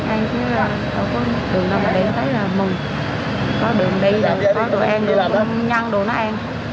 ăn chứ là không có đường nào mà đi thấy là mừng có đường đi có đồ ăn không nhăn đồ nó ăn